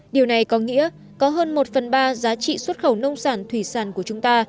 điều này có nghĩa có hơn một phần ba giá trị xuất khẩu nông sản thủy sản của chúng ta